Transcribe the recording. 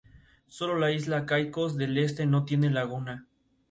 Abd al-Málik tuvo que afrontar numerosas dificultades al inicio de su mandato.